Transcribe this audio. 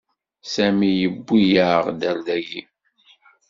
Sami yewwi-yaɣ-d ar dagi.